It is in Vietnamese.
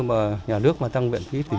từ nhà tăng viện phí